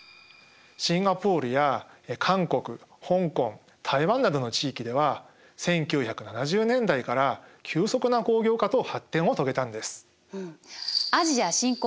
シンガポールや韓国香港台湾などの地域では１９７０年代から急速な工業化と発展を遂げたんです。